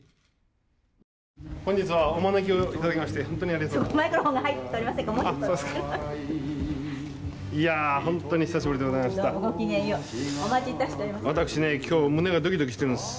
本日はお招きをいただきまして本当にありがとうございます。